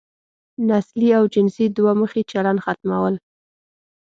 نسلي او جنسي دوه مخی چلن ختمول.